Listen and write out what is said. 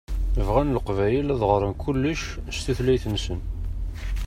Bɣan Leqbayel ad ɣṛen kullec s tutlayt-nsen.